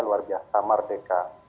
luar biasa merdeka